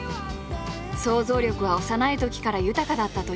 想像力は幼いときから豊かだったという。